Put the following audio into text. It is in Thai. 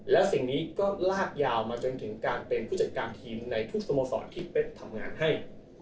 แล้วสิ่งนี้ก็ลากยาวมาจนถึงการเป็นผู้จัดการทีมในทุกสโมสรที่เป๊กทำงานให้